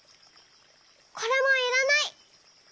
これもいらない。